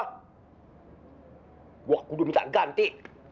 buah kudu minta ganti